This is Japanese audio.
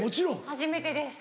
初めてです。